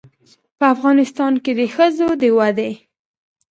په افغانستان کې د ښځو د ودې